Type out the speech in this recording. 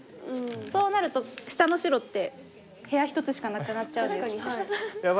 そうなると下の白って部屋１つしかなくなっちゃうんです。